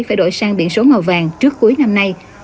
phải đổi sang biển số màu vàng trước cuối năm nay